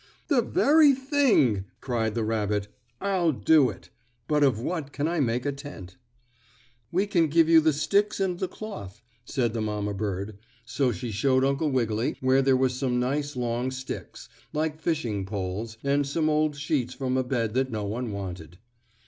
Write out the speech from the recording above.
"The very thing!" cried the rabbit. "I'll do it. But of what can I make a tent?" "We can give you the sticks and the cloth," said the mamma bird, so she showed Uncle Wiggily where there were some nice long sticks, like fishing poles, and some old sheets from a bed that no one wanted.